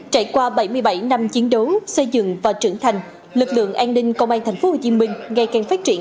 trải qua bảy mươi bảy năm chiến đấu xây dựng và trưởng thành lực lượng an ninh công an tp hcm ngày càng phát triển